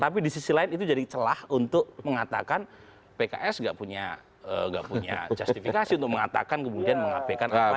tapi di sisi lain itu jadi celah untuk mengatakan pks gak punya justifikasi untuk mengatakan kemudian mengabaikan apa